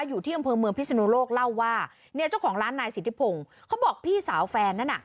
อยู่ที่อำเภอเมืองพิศนุโลกเล่าว่าเนี่ยเจ้าของร้านนายสิทธิพงศ์เขาบอกพี่สาวแฟนนั้นน่ะ